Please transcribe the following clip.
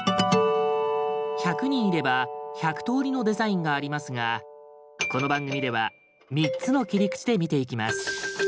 １００人いれば１００通りのデザインがありますがこの番組では３つの切り口で見ていきます。